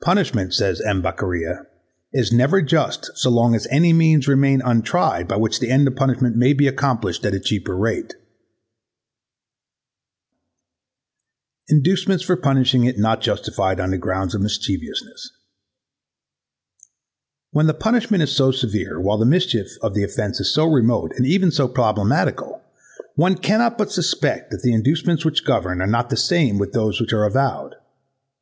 Punishment, says M. Beccaria, is never just so long as any means remain untried by which the end of punishment may be accomplished at a cheaper rate. / [200c and 200d are blank] / Inducements for punishing it not justfied on the ground of mischievousness When the punishment [is] so severe, while the mischief of the offence is so remote and even so problematical, one cannot but suspect that the inducements which govern are not the same with those which are avowed.